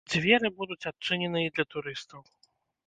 Дзверы будуць адчынены і для турыстаў.